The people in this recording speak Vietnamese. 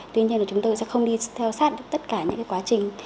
tuy nhiên là chúng tôi sẽ không đi theo sát được tất cả những quá trình